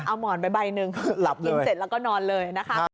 เอาหมอนไปใบหนึ่งเย็นเสร็จแล้วก็นอนเลย